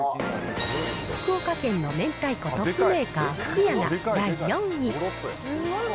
福岡県の明太子トップメーカー、ふくやが第４位。